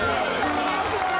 お願いします